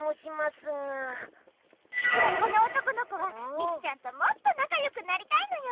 きっとこの男の子はみきちゃんともっとなかよくなりたいのよ！